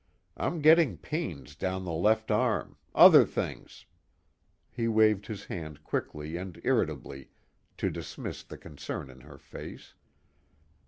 I'm getting pains down the left arm, other things " he waved his hand quickly and irritably to dismiss the concern in her face.